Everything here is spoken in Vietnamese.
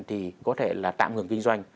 thì có thể là tạm ngừng kinh doanh